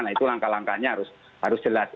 nah itu langkah langkahnya harus jelas